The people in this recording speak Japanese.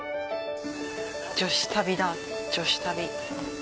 女子旅だ女子旅。